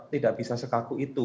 tidak bisa sekaku itu